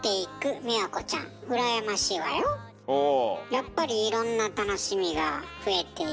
やっぱりいろんな楽しみが増えていくわけでしょ。